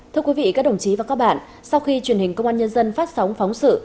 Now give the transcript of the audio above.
thưa quý vị các đồng chí và các bạn sau khi truyền hình công an nhân dân phát sóng phóng sự